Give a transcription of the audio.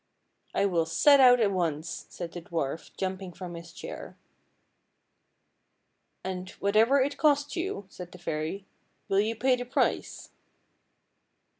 " I will set out at once," said the dwarf, jump ing from his chair. " And whatever it cost you," said the fairy, " will you pay the price?